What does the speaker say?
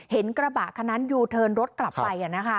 เห็นกระบะคนนั้นยูเทินรถกลับไปอะนะคะ